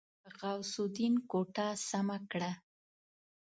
غوث الدين کوټه سمه کړه.